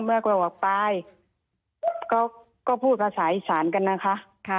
แม่ก็บอกว่าปายก็พูดภาษาอิสรรค์กันนะคะ